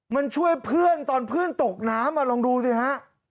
มันช่วยเพื่อนตอนเพื่อนตกน้ำลองดูสิฮะ